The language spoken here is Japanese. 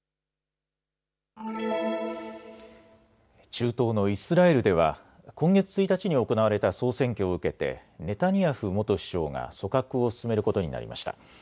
中東のイスラエルでは今月１日に行われた総選挙を受けてネタニヤフ元首相が組閣を進めることになりました。